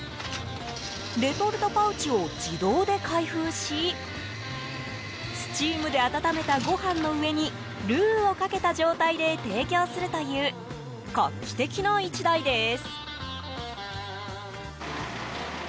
レトルトパウチを自動で開封しスチームで温めたご飯の上にルーをかけた状態で提供するという画期的な１台です。